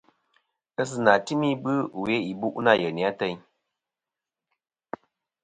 Ghesɨnà tɨm ibɨ we ìbu' nâ yeyni ateyn.